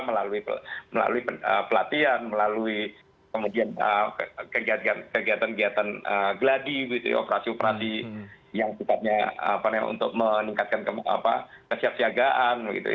melalui pelatihan melalui kemudian kegiatan kegiatan gladi operasi operasi yang sifatnya untuk meningkatkan kesiapsiagaan